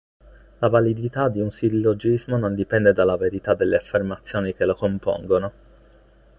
La validità di un sillogismo non dipende dalla verità delle affermazioni che lo compongono.